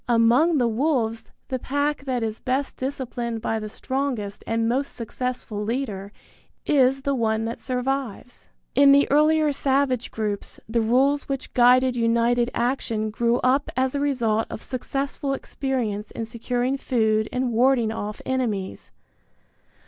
Among the wolves the pack that is best disciplined by the strongest and most successful leader is the one that survives. In the earlier savage groups the rules which guided united action grew up as a result of successful experience in securing food and warding off enemies.